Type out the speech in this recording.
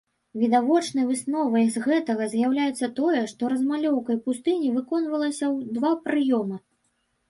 Відавочнай высновай з гэтага з'яўляецца тое, што размалёўка пустыні выконвалася ў два прыёмы.